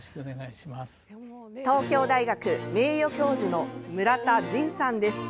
東京大学名誉教授の邑田仁さんです。